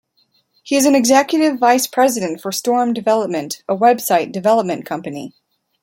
He is an Executive Vice President for Storm Development, a website development company.